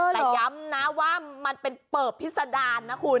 แต่ย้ำนะว่ามันเป็นเปิบพิษดารนะคุณ